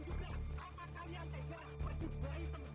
siti tidak pernah meminta